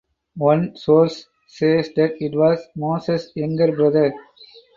One source says that it was Moses younger brother.